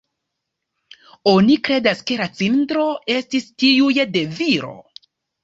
Oni kredas ke la cindro estis tiuj de viro.